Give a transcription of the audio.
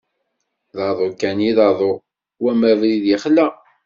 D aḍu kan d aḍu, wama abrid yexla.